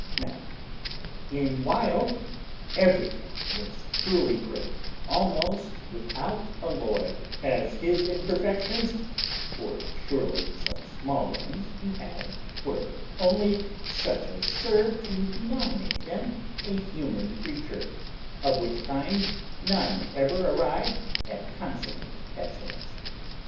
Now, in Wild everything was truly great, almost without alloy, as his imperfections (for surely some small ones he had) were only such as served to denominate him a human creature, of which kind none ever arrived at consummate excellence.